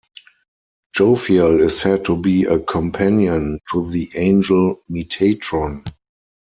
Jophiel is said to be a companion to the angel Metatron.